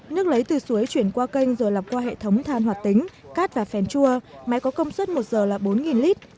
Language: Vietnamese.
nước lấy từ suối chuyển qua kênh rồi lọc qua hệ thống than hoạt tính cát và phèn chua máy có công suất một giờ là bốn lít